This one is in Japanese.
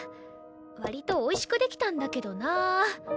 割とおいしく出来たんだけどな。